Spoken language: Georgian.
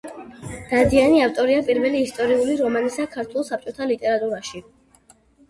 დადიანი ავტორია პირველი ისტორიული რომანისა ქართულ საბჭოთა ლიტერატურაში.